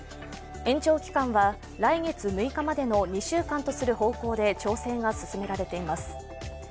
延長期間は来月６日までの２週間とする方向で調整が進められています。